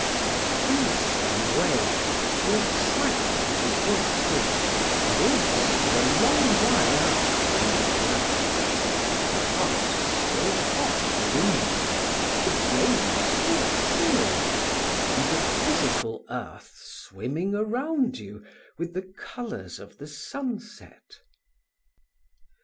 In the same way, the excitement of a good talk lives for a long while after in the blood, the heart still hot within you, the brain still simmering, and the physical earth swimming around you with the colours of the sunset.